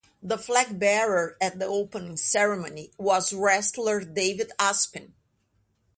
The flag bearer at the opening ceremony was wrestler David Aspin.